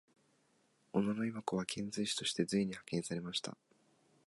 小野妹子は遣隋使として隋に派遣されました。